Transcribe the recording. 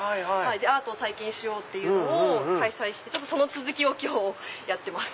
アートを体験しよう！というのを開催してその続きを今日やってます。